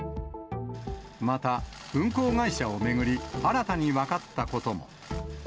また、運航会社を巡り、新たに分かったことも。